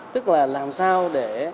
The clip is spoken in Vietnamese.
tức là làm sao để